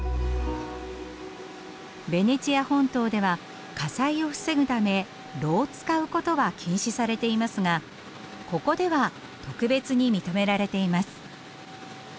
ベネチア本島では火災を防ぐため炉を使うことは禁止されていますがここでは特別に認められています。